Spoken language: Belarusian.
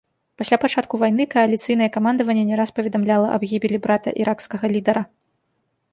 Пасля пачатку вайны кааліцыйнае камандаванне не раз паведамляла аб гібелі брата іракскага лідара.